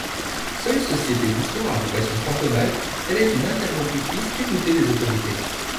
Seule société d’histoire à vocation cantonale, elle est une interlocutrice écoutée des autorités.